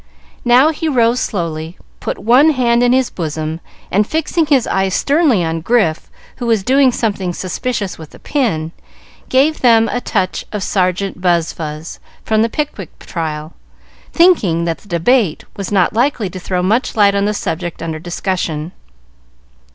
Now he rose slowly, put one hand in his bosom, and fixing his eye sternly on Grif, who was doing something suspicious with a pin, gave them a touch of Sergeant Buzfuz, from the Pickwick trial, thinking that the debate was not likely to throw much light on the subject under discussion.